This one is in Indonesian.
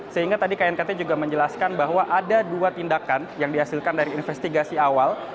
sehingga tadi knkt juga menjelaskan bahwa ada dua tindakan yang dihasilkan dari investigasi awal